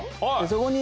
そこに。